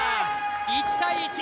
１対１。